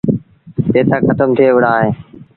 پئيٚسآ کتم ٿئي وُهڙآ اهيݩ۔